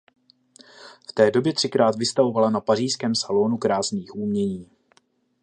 V té době třikrát vystavovala na pařížském Salónu krásných umění.